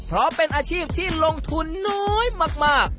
เพราะเป็นอาชีพที่ลงทุนน้อยมาก